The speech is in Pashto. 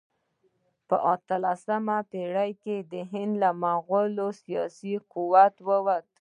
په اتلسمه پېړۍ کې د هند له مغولو سیاسي قدرت ووت.